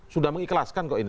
sudah mengikhlaskan kok ini